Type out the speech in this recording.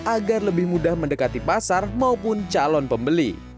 agar lebih mudah mendekati pasar maupun calon pembeli